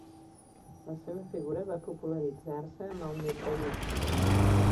La seva figura va popularitzar-se amb el mitraisme.